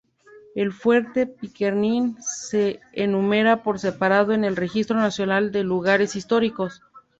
El Fuerte Pickering se enumera por separado en el Registro Nacional de Lugares Históricos.